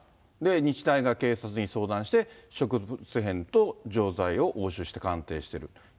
日大が警察に相談して、植物片と錠剤を押収して鑑定してる。